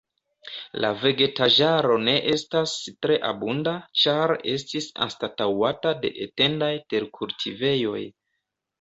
La vegetaĵaro ne estas tre abunda, ĉar estis anstataŭata de etendaj terkultivejoj.